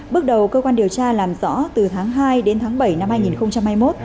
bước đầu cơ quan điều tra làm rõ từ tháng hai đến tháng bảy năm hai nghìn hai mươi một